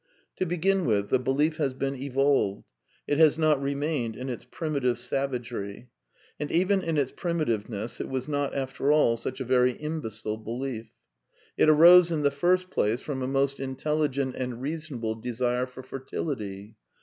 To begin with, the belief has been evolved. It has not remained in its primitive savagery. And even in its prim itiveness it was not, after all, such a very imbecile belief. It arose, in the first place, from a most intelligent and reasonable desire for fertility.